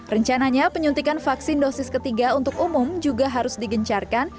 rencananya penyuntikan vaksin dosis ketiga untuk umum juga harus digencarkan